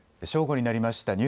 正午になりました。